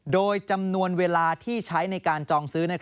โดยจำนวนเวลาที่ใช้ในการจองซื้อ